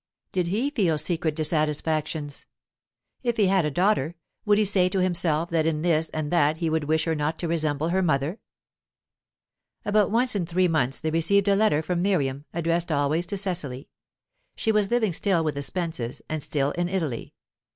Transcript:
Did he feel secret dissatisfactions? If he had a daughter, would he say to himself that in this and that he would wish her not to resemble her mother? About once in three months they received a letter from Miriam, addressed always to Cecily. She was living still with the Spences, and still in Italy.